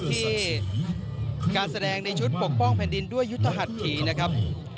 ที่การแสดงในชุดปกป้องแผ่นดินด้วยยุทธหัสถีนะครับ